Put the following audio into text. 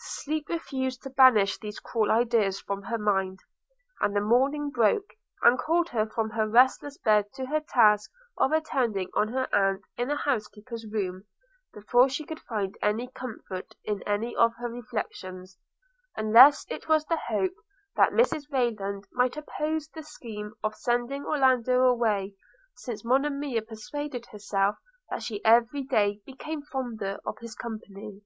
Sleep refused to banish these cruel ideas from her mind; and the morning broke, and called her from her restless bed to her task of attending on her aunt in the housekeeper's room, before she could find any comfort in any of her reflections, unless it was the hope that Mrs Rayland might oppose the scheme of sending Orlando away, since Monimia persuaded herself that she every day became fonder of his company.